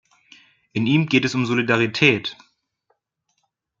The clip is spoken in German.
In ihm geht es um Solidarität.